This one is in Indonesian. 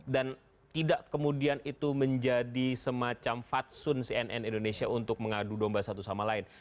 dan tidak kemudian itu menjadi semacam fatsun cnn indonesia untuk mengadu lomba satu sama lain